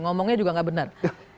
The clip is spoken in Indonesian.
ngomongnya juga tidak benar